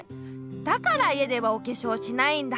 だから家ではおけしょうしないんだ。